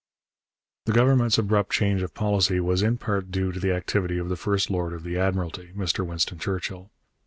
The Government's abrupt change of policy was in part due to the activity of the first lord of the Admiralty, Mr Winston Churchill.